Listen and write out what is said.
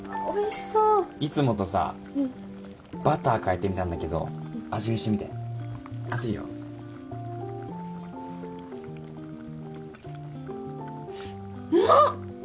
おいしそういつもとさバター変えてみたんだけど味見してみて熱いようまっ！